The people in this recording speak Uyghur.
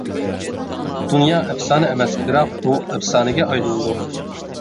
دۇنيا ئەپسانە ئەمەس، بىراق، ئۇ ئەپسانىگە ئايلىنىدۇ.